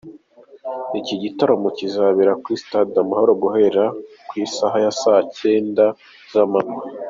Iki gitaramo kizabera kuri Stade Amahoro guhera ku isaha ya saa cyanda z’amanywa.